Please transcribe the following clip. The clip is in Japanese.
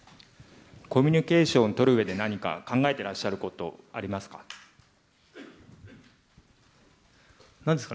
コミュニケーションとるうえで、何か考えてらっしゃること、ありますか？